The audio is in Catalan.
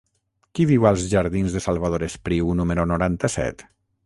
Qui viu als jardins de Salvador Espriu número noranta-set?